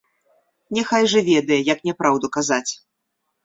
Няхай жа ведае, як няпраўду казаць.